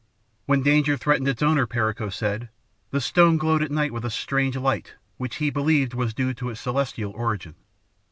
When danger threatened its owner, Perico said, the stone glowed at night with a strange light which he believed was due to its celestial origin.